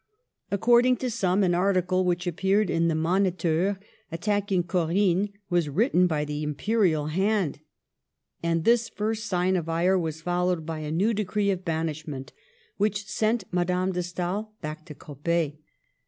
According to some, an article which appeared in the Moni teur attacking Corinne was written by the Impe rial hand. And this first sign of ire was followed by a new decree of banishment, which sent Ma dame de Stael back to Coppet.